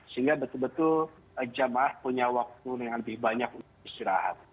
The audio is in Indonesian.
sehingga betul betul jamaah punya waktu yang lebih banyak untuk istirahat